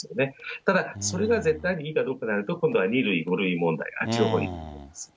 ただ、それが絶対にいいかどうかとなると、今度は２類問題、あっちのほうが。